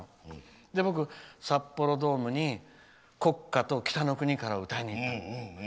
それで僕、札幌ドームに国歌と「北の国から」を歌いに行って。